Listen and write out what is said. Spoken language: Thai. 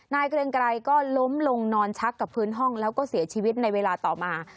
เกรงไกรก็ล้มลงนอนชักกับพื้นห้องแล้วก็เสียชีวิตในเวลาต่อมา